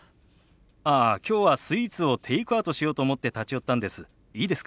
ああきょうはスイーツをテイクアウトしようと思って立ち寄ったんです。